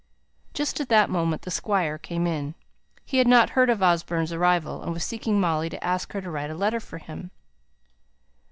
Just at that moment the Squire came in. He had not heard of Osborne's arrival, and was seeking Molly to ask her to write a letter for him.